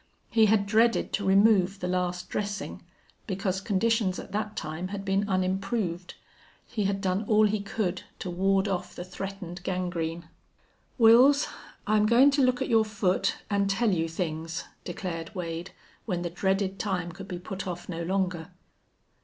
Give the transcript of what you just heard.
He had dreaded to remove the last dressing because conditions at that time had been unimproved. He had done all he could to ward off the threatened gangrene. "Wils, I'm goin' to look at your foot an' tell you things," declared Wade, when the dreaded time could be put off no longer.